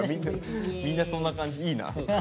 みんなそんな感じいいな。